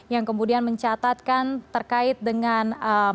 yang kemudian mencatatkan terkait dengan